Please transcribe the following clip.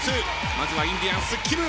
まずはインディアンスきむ。